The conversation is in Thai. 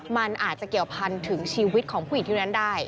มันอาจจะเกี่ยวพันถึงชีวิตของผู้หญิงที่นั้นได้